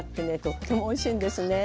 とってもおいしいんですね。